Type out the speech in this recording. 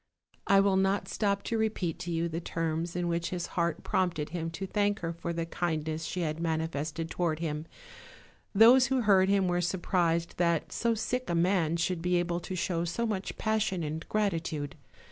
I will not not stop to repeat to you the terms in which his heart prompted him to thank her for the kindness she had manifested toward him; those who heard him were surprised that so sick a man should be able to show so much passion and gratitude.